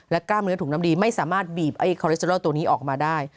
กล้ามเนื้อถุงน้ำดีไม่สามารถบีบไอ้คอเลสเตรอลตัวนี้ออกมาได้